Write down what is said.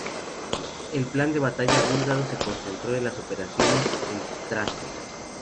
El plan de batalla búlgaro se concentró en las operaciones en Tracia.